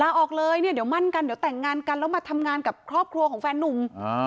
ออกเลยเนี่ยเดี๋ยวมั่นกันเดี๋ยวแต่งงานกันแล้วมาทำงานกับครอบครัวของแฟนนุ่ม